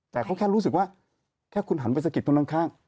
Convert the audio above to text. แต่เขาแค่รู้สึกว่าแค่คุณหันไปสะกิดคนข้าง